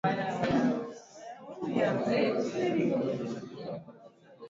Furaha hiyo huchagizwa na wingi wa wasanii kutoka sehemu mbalimbali duniani